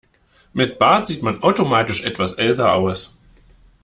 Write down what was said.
Mit Bart sieht man automatisch etwas älter aus.